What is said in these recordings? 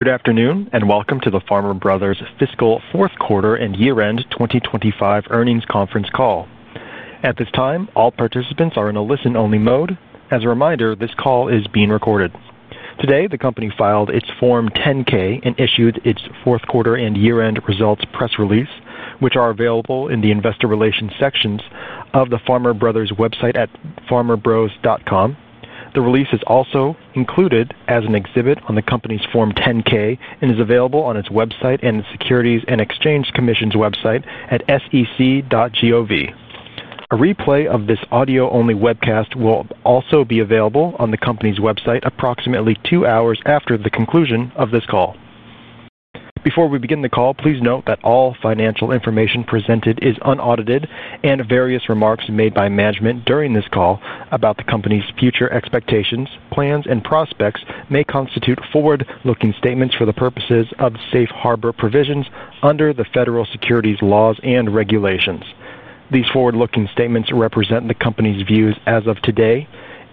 Good afternoon and welcome to the Farmer Bros. Co. Fiscal Fourth Quarter and Year-End 2025 Earnings Conference Call. At this time, all participants are in a listen-only mode. As a reminder, this call is being recorded. Today, the company filed its Form 10-K and issued its Fourth Quarter and Year-End Results Press Release, which are available in the Investor Relations sections of the Farmer Bros. Co. website at farmerbros.com. The release is also included as an exhibit on the company's Form 10-K and is available on its website and the Securities and Exchange Commission's website at sec.gov. A replay of this audio-only webcast will also be available on the company's website approximately two hours after the conclusion of this call. Before we begin the call, please note that all financial information presented is unaudited, and various remarks made by management during this call about the company's future expectations, plans, and prospects may constitute forward-looking statements for the purposes of safe harbor provisions under the Federal Securities Laws and Regulations. These forward-looking statements represent the company's views as of today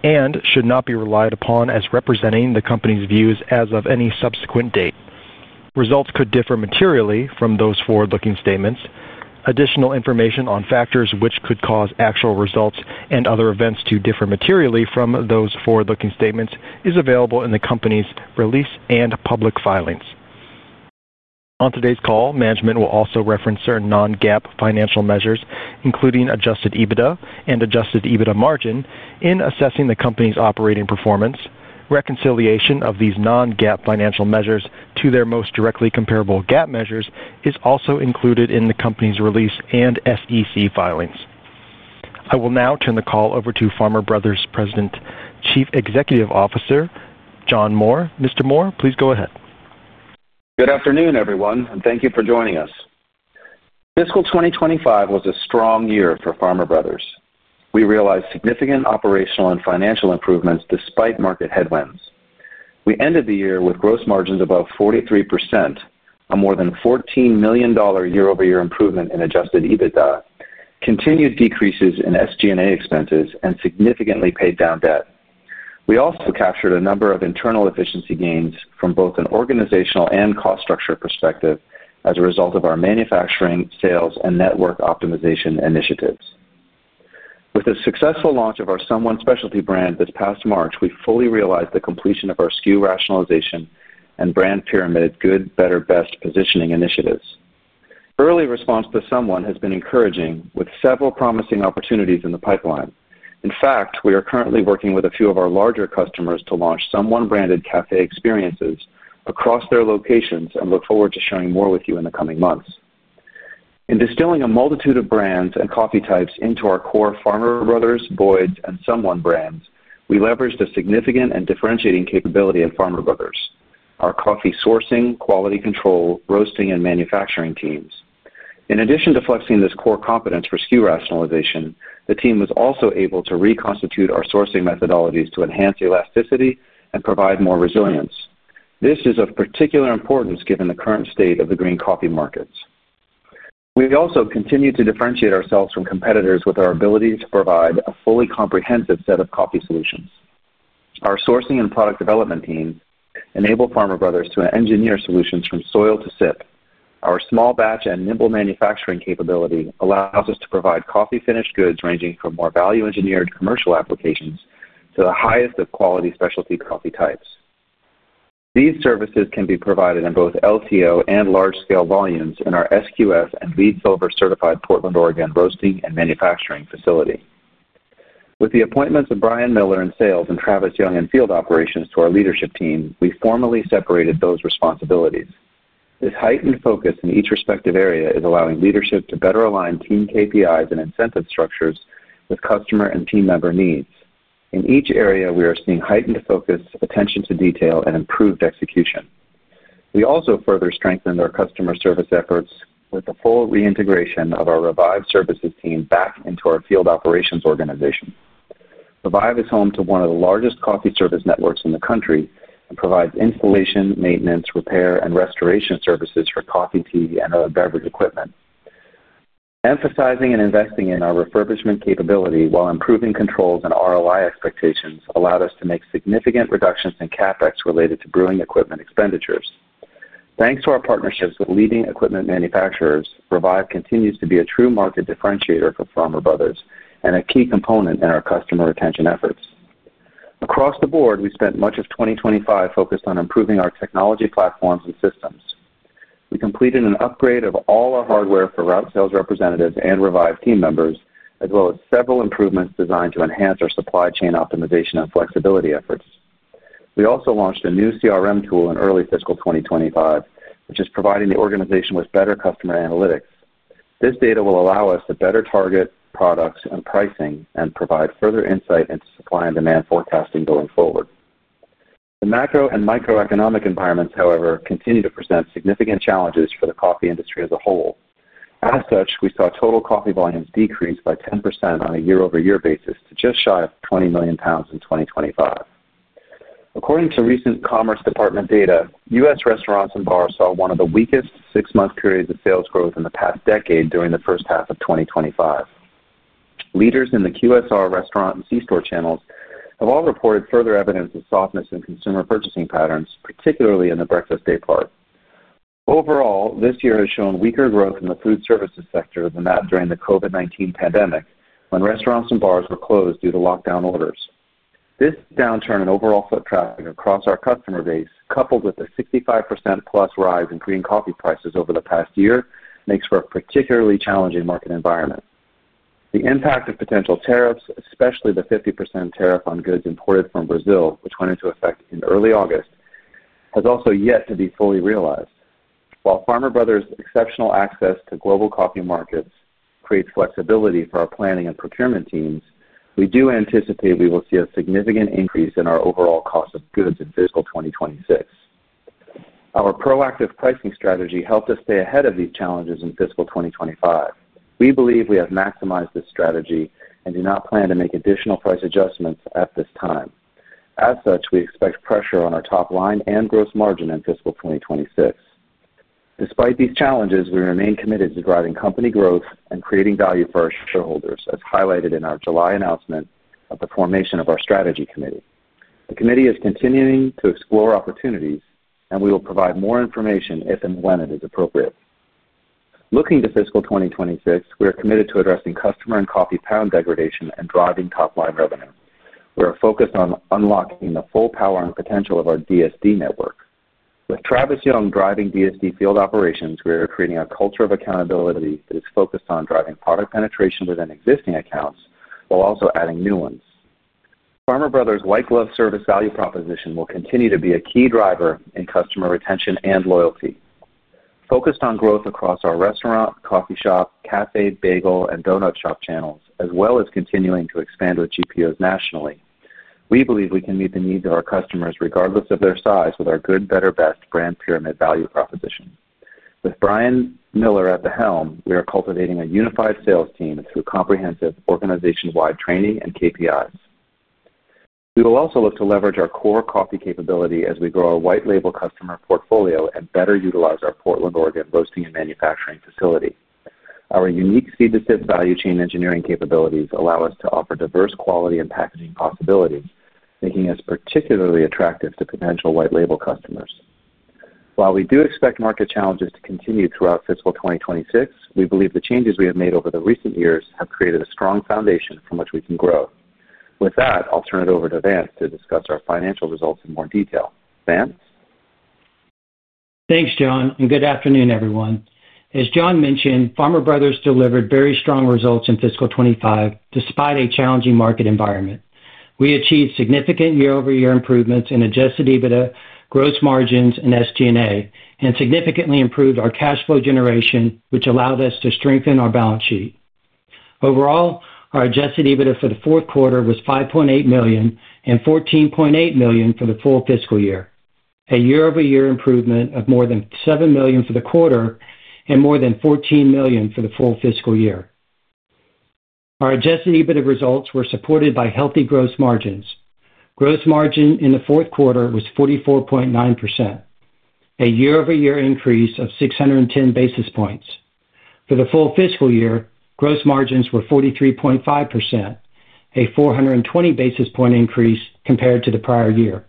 and should not be relied upon as representing the company's views as of any subsequent date. Results could differ materially from those forward-looking statements. Additional information on factors which could cause actual results and other events to differ materially from those forward-looking statements is available in the company's release and public filings. On today's call, management will also reference certain non-GAAP financial measures, including adjusted EBITDA and adjusted EBITDA margin, in assessing the company's operating performance. Reconciliation of these non-GAAP financial measures to their most directly comparable GAAP measures is also included in the company's release and SEC filings. I will now turn the call over to Farmer Bros. Co. President, Chief Executive Officer, John Moore. Mr. Moore, please go ahead. Good afternoon, everyone, and thank you for joining us. Fiscal 2025 was a strong year for Farmer Bros. Co. We realized significant operational and financial improvements despite market headwinds. We ended the year with gross margins above 43%, a more than $14 million year-over-year improvement in adjusted EBITDA, continued decreases in SG&A expenses, and significantly paid down debt. We also captured a number of internal efficiency gains from both an organizational and cost structure perspective as a result of our manufacturing, sales, and network optimization initiatives. With the successful launch of our SOME1 specialty brand this past March, we fully realized the completion of our SKU rationalization and brand pyramid good, better, best positioning initiatives. Early response to SOME1 has been encouraging, with several promising opportunities in the pipeline. In fact, we are currently working with a few of our larger customers to launch SOME1-branded café experiences across their locations and look forward to sharing more with you in the coming months. In distilling a multitude of brands and coffee types into our core Farmer Brothers, Boyd's Coffee, and SOME1 brands, we leveraged a significant and differentiating capability of Farmer Bros. Co.: our coffee sourcing, quality control, roasting, and manufacturing teams. In addition to flexing this core competence for SKU rationalization, the team was also able to reconstitute our sourcing methodologies to enhance elasticity and provide more resilience. This is of particular importance given the current state of the green coffee markets. We also continue to differentiate ourselves from competitors with our ability to provide a fully comprehensive set of coffee solutions. Our sourcing and product development team enabled Farmer Bros. Co. to engineer solutions from soil to sip. Our small batch and nimble manufacturing capability allows us to provide coffee finished goods ranging from more value-engineered commercial applications to the highest of quality specialty coffee types. These services can be provided in both LTO and large-scale volumes in our SQF and LEED Silver certified Portland, Oregon roasting and manufacturing facility. With the appointments of Brian Miller in Sales and Travis Young in Field Operations to our leadership team, we formally separated those responsibilities. This heightened focus in each respective area is allowing leadership to better align team KPIs and incentive structures with customer and team member needs. In each area, we are seeing heightened focus, attention to detail, and improved execution. We also further strengthened our customer service efforts with the full reintegration of our Revive services team back into our field operations organization. Revive is home to one of the largest coffee service networks in the country and provides installation, maintenance, repair, and restoration services for coffee, tea, and other beverage equipment. Emphasizing and investing in our refurbishment capability while improving controls and ROI expectations allowed us to make significant reductions in CapEx related to brewing equipment expenditures. Thanks to our partnerships with leading equipment manufacturers, Revive continues to be a true market differentiator for Farmer Bros. Co. and a key component in our customer retention efforts. Across the board, we spent much of 2025 focused on improving our technology platforms and systems. We completed an upgrade of all our hardware for route sales representatives and Revive team members, as well as several improvements designed to enhance our supply chain optimization and flexibility efforts. We also launched a new CRM tool in early fiscal 2025, which is providing the organization with better customer analytics. This data will allow us to better target products and pricing and provide further insight into supply and demand forecasting going forward. The macro and microeconomic environments, however, continue to present significant challenges for the coffee industry as a whole. As such, we saw total coffee volumes decrease by 10% on a year-over-year basis to just shy of 20 million pounds in 2025. According to recent Commerce Department data, U.S. restaurants and bars saw one of the weakest six-month periods of sales growth in the past decade during the first half of 2025. Leaders in the QSR restaurant and C-Store channels have all reported further evidence of softness in consumer purchasing patterns, particularly in the breakfast day part. Overall, this year has shown weaker growth in the food services sector than that during the COVID-19 pandemic when restaurants and bars were closed due to lockdown orders. This downturn in overall foot traffic across our customer base, coupled with the 65%+ rise in green coffee prices over the past year, makes for a particularly challenging market environment. The impact of potential tariffs, especially the 50% tariff on goods imported from Brazil, which went into effect in early August, has also yet to be fully realized. While Farmer Brothers' exceptional access to global coffee markets creates flexibility for our planning and procurement teams, we do anticipate we will see a significant increase in our overall cost of goods in fiscal 2026. Our proactive pricing strategy helped us stay ahead of these challenges in fiscal 2025. We believe we have maximized this strategy and do not plan to make additional price adjustments at this time. As such, we expect pressure on our top line and gross margin in fiscal 2026. Despite these challenges, we remain committed to driving company growth and creating value for our shareholders, as highlighted in our July announcement of the formation of our strategy committee. The committee is continuing to explore opportunities, and we will provide more information if and when it is appropriate. Looking to fiscal 2026, we are committed to addressing customer and coffee pound degradation and driving top line revenue. We are focused on unlocking the full power and potential of our DSD network. With Travis Young driving DSD field operations, we are creating a culture of accountability that is focused on driving product penetration within existing accounts while also adding new ones. Farmer Brothers' white glove service value proposition will continue to be a key driver in customer retention and loyalty. Focused on growth across our restaurant, coffee shop, café, bagel, and donut shop channels, as well as continuing to expand our GPOs nationally, we believe we can meet the needs of our customers regardless of their size with our good, better, best brand pyramid value proposition. With Brian Miller at the helm, we are cultivating a unified sales team through comprehensive organization-wide training and KPIs. We will also look to leverage our core coffee capability as we grow our white label customer portfolio and better utilize our Portland, Oregon roasting and manufacturing facility. Our unique seed-to-sip value chain engineering capabilities allow us to offer diverse quality and packaging possibilities, making us particularly attractive to potential white label customers. While we do expect market challenges to continue throughout fiscal 2026, we believe the changes we have made over the recent years have created a strong foundation from which we can grow. With that, I'll turn it over to Vance to discuss our financial results in more detail. Vance? Thanks, John, and good afternoon, everyone. As John mentioned, Farmer Bros. Co. delivered very strong results in fiscal 2025 despite a challenging market environment. We achieved significant year-over-year improvements in adjusted EBITDA, gross margins, and SG&A, and significantly improved our cash flow generation, which allowed us to strengthen our balance sheet. Overall, our adjusted EBITDA for the fourth quarter was $5.8 million and $14.8 million for the full fiscal year, a year-over-year improvement of more than $7 million for the quarter and more than $14 million for the full fiscal year. Our adjusted EBITDA results were supported by healthy gross margins. Gross margin in the fourth quarter was 44.9%, a year-over-year increase of 610 basis points. For the full fiscal year, gross margins were 43.5%, a 420 basis point increase compared to the prior year.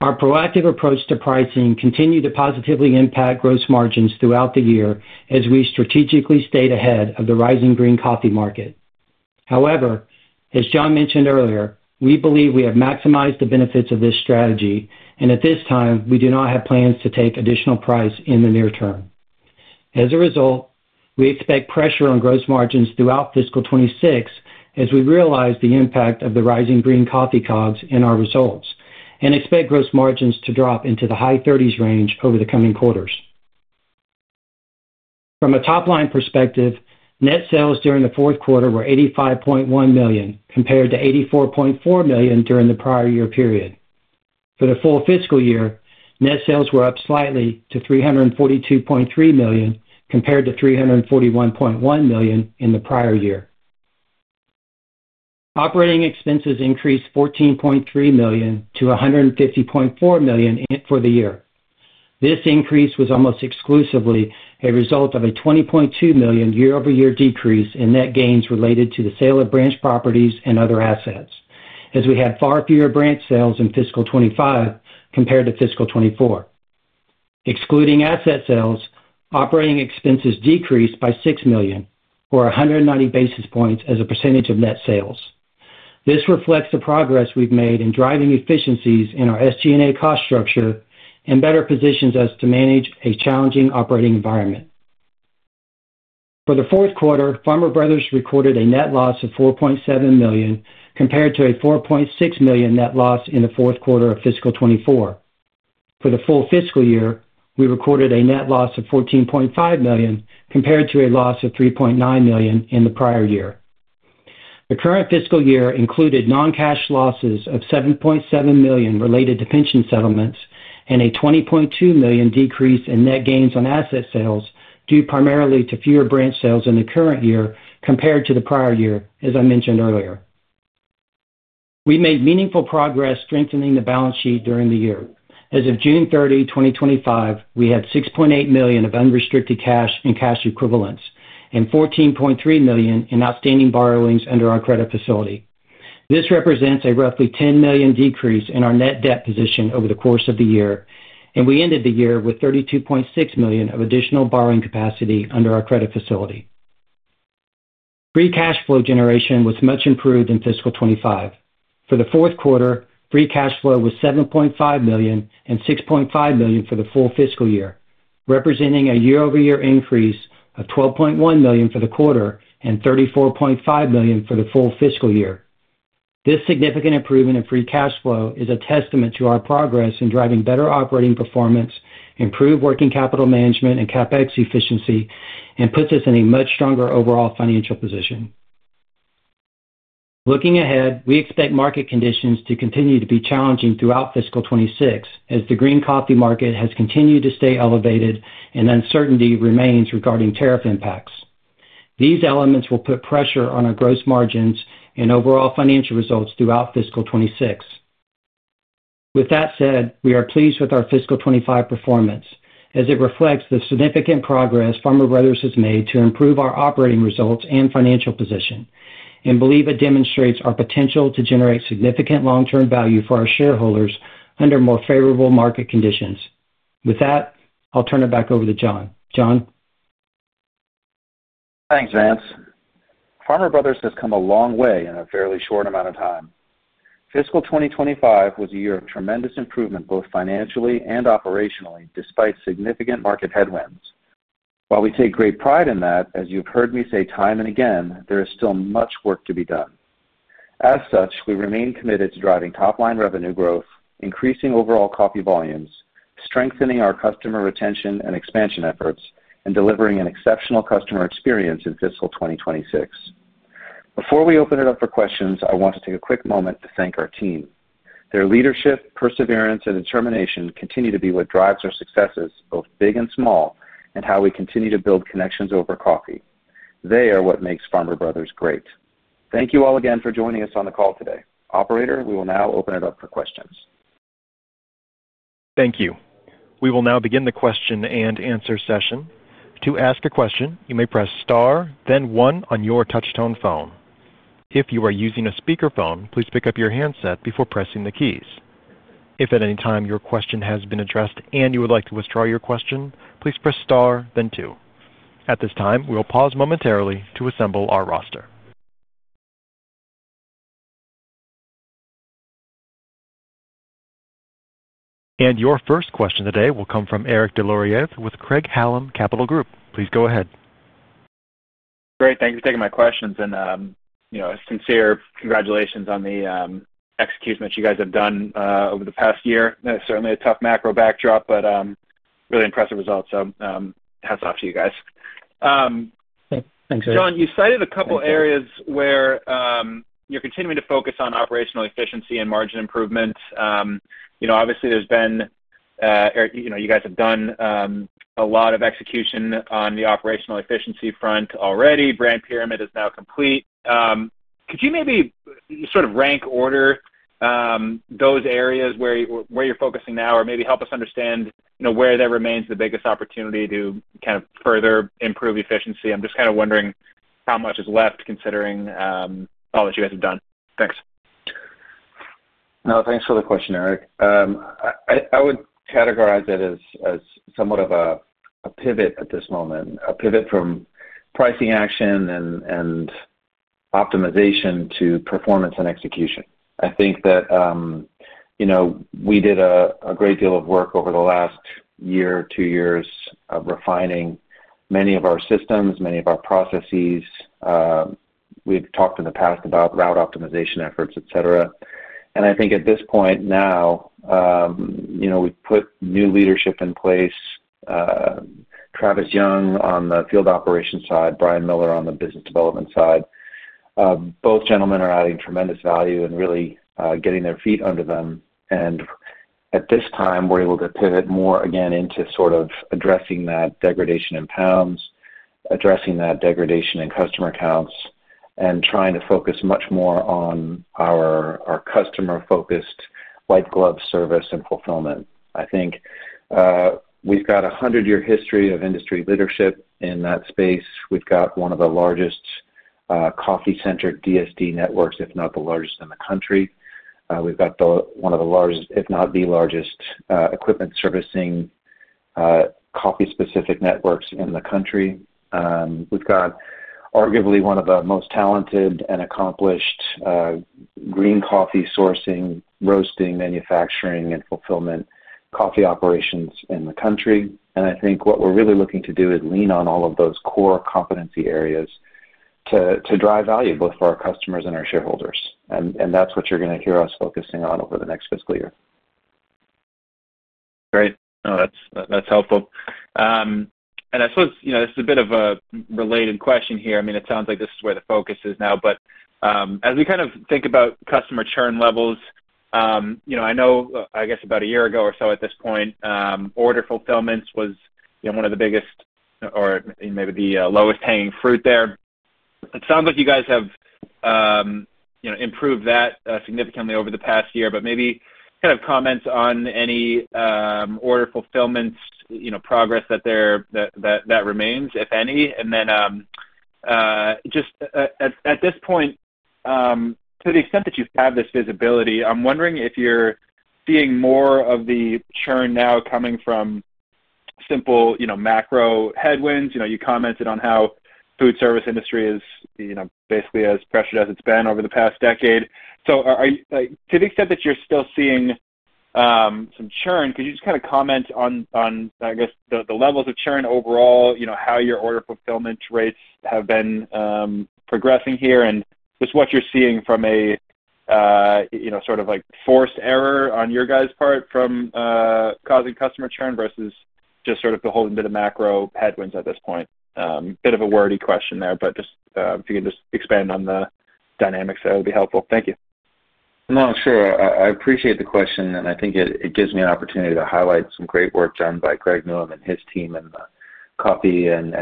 Our proactive approach to pricing continued to positively impact gross margins throughout the year as we strategically stayed ahead of the rising green coffee market. However, as John mentioned earlier, we believe we have maximized the benefits of this strategy, and at this time, we do not have plans to take additional price in the near term. As a result, we expect pressure on gross margins throughout fiscal 2026 as we realize the impact of the rising green coffee costs in our results and expect gross margins to drop into the high 30% range over the coming quarters. From a top line perspective, net sales during the fourth quarter were $85.1 million compared to $84.4 million during the prior year period. For the full fiscal year, net sales were up slightly to $342.3 million compared to $341.1 million in the prior year. Operating expenses increased $14.3 million to $150.4 million for the year. This increase was almost exclusively a result of a $20.2 million year-over-year decrease in net gains related to the sale of branch properties and other assets, as we had far fewer branch sales in fiscal 2025 compared to fiscal 2024. Excluding asset sales, operating expenses decreased by $6 million, or 190 basis points as a percentage of net sales. This reflects the progress we've made in driving efficiencies in our SG&A cost structure and better positions us to manage a challenging operating environment. For the fourth quarter, Farmer Bros. Co. recorded a net loss of $4.7 million compared to a $4.6 million net loss in the fourth quarter of fiscal 2024. For the full fiscal year, we recorded a net loss of $14.5 million compared to a loss of $3.9 million in the prior year. The current fiscal year included non-cash losses of $7.7 million related to pension settlements and a $20.2 million decrease in net gains on asset sales due primarily to fewer branch sales in the current year compared to the prior year, as I mentioned earlier. We made meaningful progress strengthening the balance sheet during the year. As of June 30, 2025, we had $6.8 million of unrestricted cash and cash equivalents and $14.3 million in outstanding borrowings under our credit facility. This represents a roughly $10 million decrease in our net debt position over the course of the year, and we ended the year with $32.6 million of additional borrowing capacity under our credit facility. Free cash flow generation was much improved in fiscal 2025. For the fourth quarter, free cash flow was $7.5 million and $6.5 million for the full fiscal year, representing a year-over-year increase of $12.1 million for the quarter and $34.5 million for the full fiscal year. This significant improvement in free cash flow is a testament to our progress in driving better operating performance, improved working capital management, and CapEx efficiency, and puts us in a much stronger overall financial position. Looking ahead, we expect market conditions to continue to be challenging throughout fiscal 2026, as the green coffee market has continued to stay elevated and uncertainty remains regarding tariff impacts. These elements will put pressure on our gross margins and overall financial results throughout fiscal 2026. With that said, we are pleased with our fiscal 2025 performance, as it reflects the significant progress Farmer Bros. Co. has made to improve our operating results and financial position and believe it demonstrates our potential to generate significant long-term value for our shareholders under more favorable market conditions. With that, I'll turn it back over to John. John? Thanks, Vance. Farmer Bros. Co. has come a long way in a fairly short amount of time. Fiscal 2025 was a year of tremendous improvement both financially and operationally despite significant market headwinds. While we take great pride in that, as you've heard me say time and again, there is still much work to be done. As such, we remain committed to driving top line revenue growth, increasing overall coffee volumes, strengthening our customer retention and expansion efforts, and delivering an exceptional customer experience in fiscal 2026. Before we open it up for questions, I want to take a quick moment to thank our team. Their leadership, perseverance, and determination continue to be what drives our successes, both big and small, and how we continue to build connections over coffee. They are what makes Farmer Bros. Co. great. Thank you all again for joining us on the call today. Operator, we will now open it up for questions. Thank you. We will now begin the question and answer session. To ask a question, you may press star, then one on your touch-tone phone. If you are using a speaker phone, please pick up your handset before pressing the keys. If at any time your question has been addressed and you would like to withdraw your question, please press star, then two. At this time, we will pause momentarily to assemble our roster. Your first question today will come from Eric Des Lauriers with Craig-Hallum Capital Group. Please go ahead. Great. Thank you for taking my questions. Sincere congratulations on the executing that you guys have done over the past year. It's certainly a tough macro backdrop, but really impressive results. Hats off to you guys. Thanks, Eric. John, you cited a couple of areas where you're continuing to focus on operational efficiency and margin improvements. Obviously, you guys have done a lot of execution on the operational efficiency front already. Brand pyramid is now complete. Could you maybe sort of rank order those areas where you're focusing now or maybe help us understand where that remains the biggest opportunity to kind of further improve efficiency? I'm just kind of wondering how much is left considering all that you guys have done. Thanks. No, thanks for the question, Eric. I would categorize it as somewhat of a pivot at this moment, a pivot from pricing action and optimization to performance and execution. I think that we did a great deal of work over the last year, two years of refining many of our systems, many of our processes. We've talked in the past about route optimization efforts, et cetera. I think at this point now, we've put new leadership in place, Travis Young on the Field Operations side, Brian Miller on the Business Development side. Both gentlemen are adding tremendous value and really getting their feet under them. At this time, we're able to pivot more again into sort of addressing that degradation in pounds, addressing that degradation in customer counts, and trying to focus much more on our customer-focused white glove service and fulfillment. I think we've got a hundred-year history of industry leadership in that space. We've got one of the largest coffee-centric DSD networks, if not the largest in the country. We've got one of the largest, if not the largest, equipment servicing coffee-specific networks in the country. We've got arguably one of the most talented and accomplished green coffee sourcing, roasting, manufacturing, and fulfillment coffee operations in the country. I think what we're really looking to do is lean on all of those core competency areas to drive value both for our customers and our shareholders. That's what you're going to hear us focusing on over the next fiscal year. Great. Oh, that's helpful. I suppose this is a bit of a related question here. It sounds like this is where the focus is now. As we kind of think about customer churn levels, I know, I guess about a year ago or so at this point, order fulfillments was one of the biggest or maybe the lowest hanging fruit there. It sounds like you guys have improved that significantly over the past year, but maybe kind of comments on any order fulfillments progress that there remains, if any. At this point, to the extent that you have this visibility, I'm wondering if you're seeing more of the churn now coming from simple macro headwinds. You commented on how the food service industry is basically as pressured as it's been over the past decade. To the extent that you're still seeing some churn, could you just kind of comment on, I guess, the levels of churn overall, how your order fulfillment rates have been progressing here and just what you're seeing from a sort of like forced error on your guys' part from causing customer churn versus just sort of the whole bit of macro headwinds at this point? Bit of a wordy question there, but if you could just expand on the dynamics there, it would be helpful. Thank you. No, sure. I appreciate the question, and I think it gives me an opportunity to highlight some great work done by Craig-Hallum Capital Group and his team in the coffee and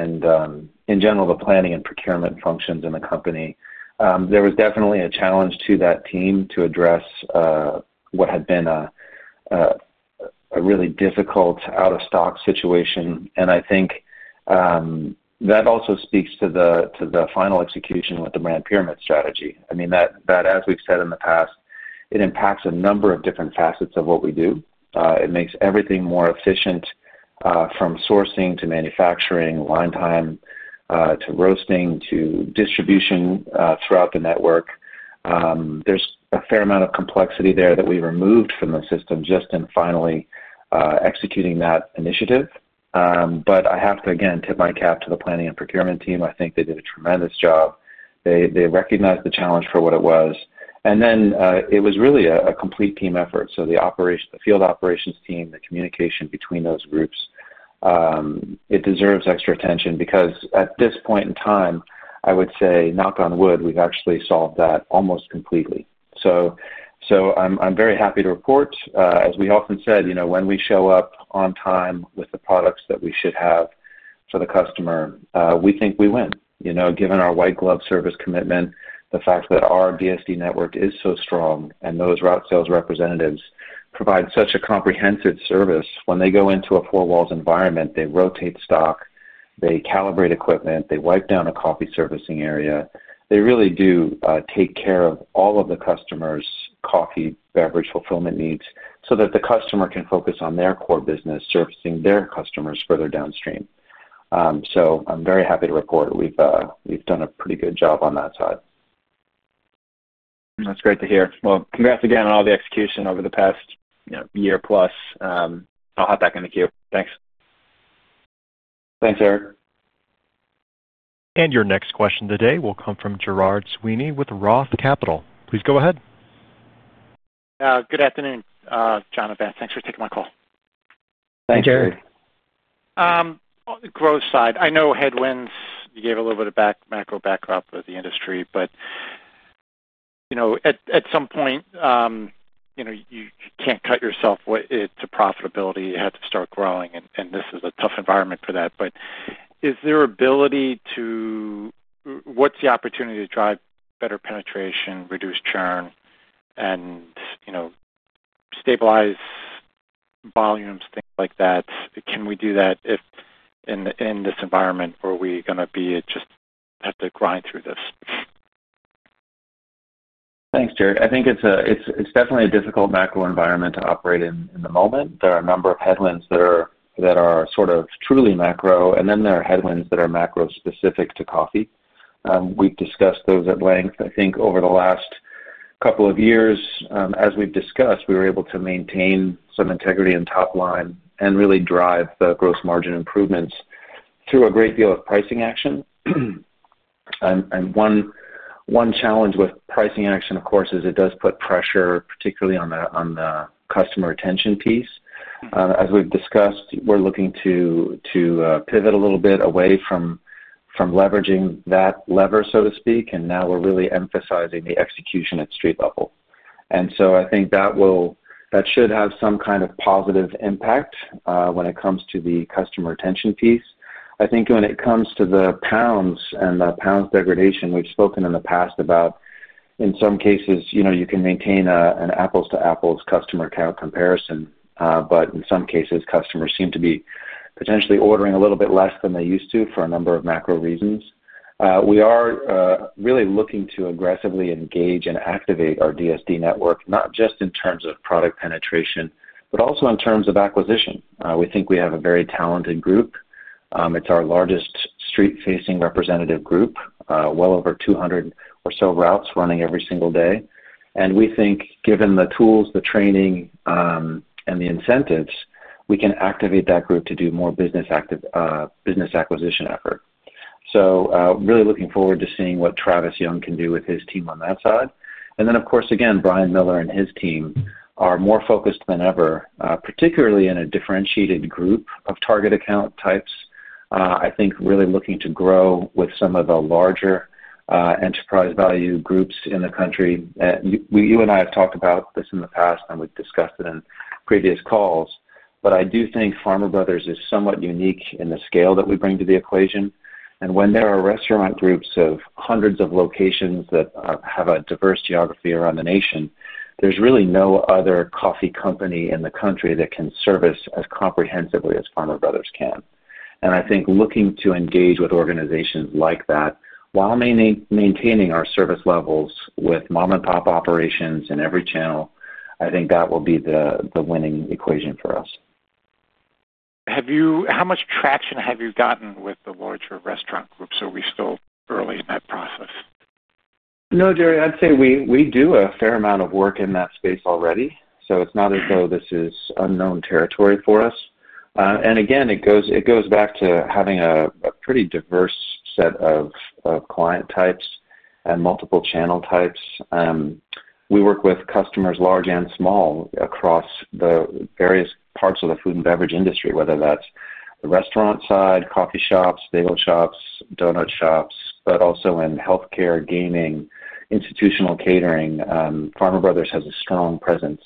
in general the planning and procurement functions in the company. There was definitely a challenge to that team to address what had been a really difficult out-of-stock situation. I think that also speaks to the final execution with the brand pyramid strategy. I mean, that, as we've said in the past, it impacts a number of different facets of what we do. It makes everything more efficient from sourcing to manufacturing, line time to roasting to distribution throughout the network. There's a fair amount of complexity there that we removed from the system just in finally executing that initiative. I have to, again, tip my cap to the planning and procurement team. I think they did a tremendous job. They recognized the challenge for what it was. It was really a complete team effort. The operations, the field operations team, the communication between those groups, it deserves extra attention because at this point in time, I would say, knock on wood, we've actually solved that almost completely. I'm very happy to report. As we often said, you know, when we show up on time with the products that we should have for the customer, we think we win. You know, given our white glove service commitment, the fact that our DSD network is so strong and those route sales representatives provide such a comprehensive service, when they go into a four-walls environment, they rotate stock, they calibrate equipment, they wipe down a coffee servicing area. They really do take care of all of the customer's coffee beverage fulfillment needs so that the customer can focus on their core business, servicing their customers further downstream. I'm very happy to report we've done a pretty good job on that side. That's great to hear. Congrats again on all the execution over the past year plus. I'll hop back in the queue. Thanks. Thanks, Eric. Your next question today will come from Gerard Sweeney with ROTH Capital. Please go ahead. Good afternoon, John and Vance. Thanks for taking my call. Thanks, Eric. On the growth side, I know headwinds, you gave a little bit of macro backdrop of the industry, but at some point, you can't cut yourself to profitability. You have to start growing, and this is a tough environment for that. Is there ability to, what's the opportunity to drive better penetration, reduce churn, and stabilize volumes, things like that? Can we do that in this environment, or are we going to just have to grind through this? Thanks, Jared. I think it's definitely a difficult macro environment to operate in at the moment. There are a number of headwinds that are truly macro, and then there are headwinds that are macro specific to coffee. We've discussed those at length. I think over the last couple of years, as we've discussed, we were able to maintain some integrity in top line and really drive the gross margin improvements through a great deal of pricing action. One challenge with pricing action, of course, is it does put pressure, particularly on the customer retention piece. As we've discussed, we're looking to pivot a little bit away from leveraging that lever, so to speak, and now we're really emphasizing the execution at street level. I think that should have some kind of positive impact when it comes to the customer retention piece. I think when it comes to the pounds and the pounds degradation, we've spoken in the past about, in some cases, you can maintain an apples-to-apples customer count comparison, but in some cases, customers seem to be potentially ordering a little bit less than they used to for a number of macro reasons. We are really looking to aggressively engage and activate our DSD network, not just in terms of product penetration, but also in terms of acquisition. We think we have a very talented group. It's our largest street-facing representative group, well over 200 or so routes running every single day. We think, given the tools, the training, and the incentives, we can activate that group to do more business acquisition effort. Really looking forward to seeing what Travis Young can do with his team on that side. Of course, again, Brian Miller and his team are more focused than ever, particularly in a differentiated group of target account types. I think really looking to grow with some of the larger enterprise value groups in the country. You and I have talked about this in the past, and we've discussed it in previous calls, but I do think Farmer Brothers is somewhat unique in the scale that we bring to the equation. When there are restaurant groups of hundreds of locations that have a diverse geography around the nation, there's really no other coffee company in the country that can service as comprehensively as Farmer Brothers can. I think looking to engage with organizations like that, while maintaining our service levels with mom-and-pop operations in every channel, that will be the winning equation for us. How much traction have you gotten with the larger restaurant groups? Are we still early in that process? No, Gerry, I'd say we do a fair amount of work in that space already. It's not as though this is unknown territory for us. It goes back to having a pretty diverse set of client types and multiple channel types. We work with customers large and small across the various parts of the food and beverage industry, whether that's the restaurant side, coffee shops, bagel shops, donut shops, but also in healthcare, gaming, institutional catering. Farmer Brothers has a strong presence,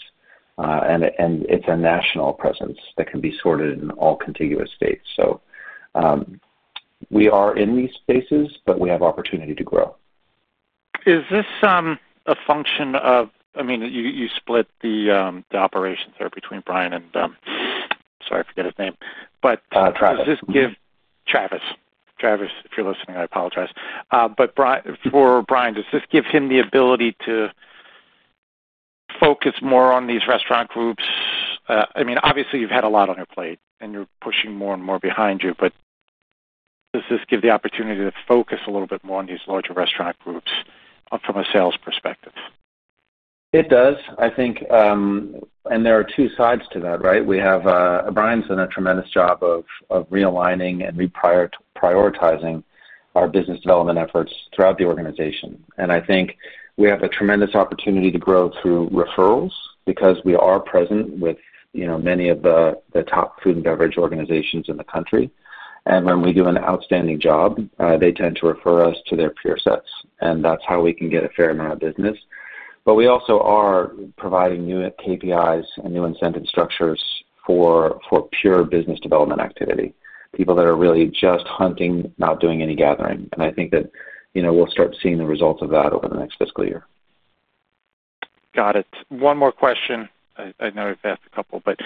and it's a national presence that can be supported in all contiguous states. We are in these spaces, but we have opportunity to grow. Is this a function of, I mean, you split the operations there between Brian and, sorry, I forget his name. Travis. Does this give Travis—Travis, if you're listening, I apologize. For Brian, does this give him the ability to focus more on these restaurant groups? Obviously, you've had a lot on your plate, and you're pushing more and more behind you. Does this give the opportunity to focus a little bit more on these larger restaurant groups from a sales perspective? It does. I think there are two sides to that, right? Brian's done a tremendous job of realigning and reprioritizing our business development efforts throughout the organization. I think we have a tremendous opportunity to grow through referrals because we are present with many of the top food and beverage organizations in the country. When we do an outstanding job, they tend to refer us to their peer sets, and that's how we can get a fair amount of business. We also are providing new KPIs and new incentive structures for pure business development activity, people that are really just hunting, not doing any gathering. I think that we'll start seeing the results of that over the next fiscal year. Got it. One more question. I know I've asked a couple, but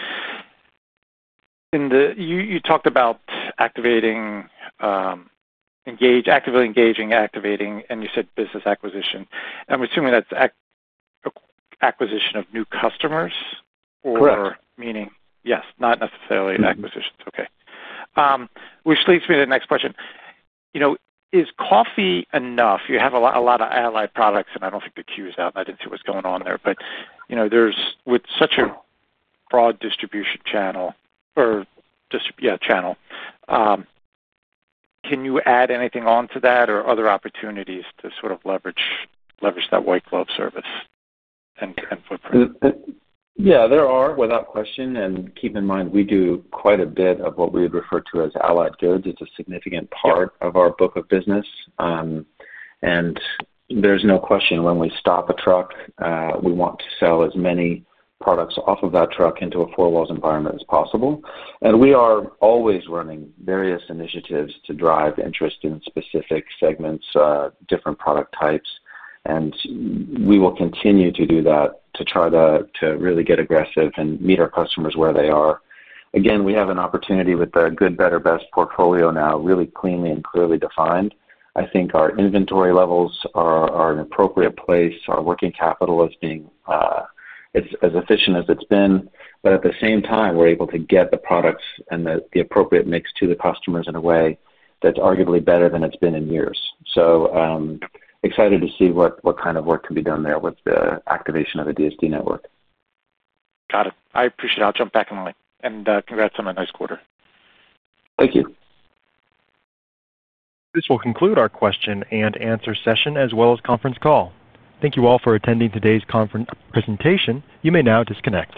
you talked about activating, engaging, activating engaging, activating, and you said business acquisition. I'm assuming that's acquisition of new customers or meaning? Correct. Yes, not necessarily acquisitions. Okay. Which leads me to the next question. You know, is coffee enough? You have a lot of allied products, and I don't think the queue is out, and I didn't see what's going on there, but you know, with such a broad distribution channel, can you add anything onto that or other opportunities to sort of leverage that white glove service and footprint? Yeah, there are without question, and keep in mind we do quite a bit of what we would refer to as allied goods. It's a significant part of our book of business. There is no question when we stop a truck, we want to sell as many products off of that truck into a four-walls environment as possible. We are always running various initiatives to drive interest in specific segments, different product types, and we will continue to do that to try to really get aggressive and meet our customers where they are. Again, we have an opportunity with the good, better, best portfolio now really cleanly and clearly defined. I think our inventory levels are in an appropriate place. Our working capital is being as efficient as it's been, but at the same time, we're able to get the products and the appropriate mix to the customers in a way that's arguably better than it's been in years. Excited to see what kind of work can be done there with the activation of the DSD network. Got it. I appreciate it. I'll jump back in a minute. Congrats on a nice quarter. Thank you. This will conclude our question and answer session as well as conference call. Thank you all for attending today's conference presentation. You may now disconnect.